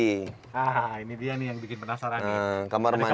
ini dia nih yang bikin penasaran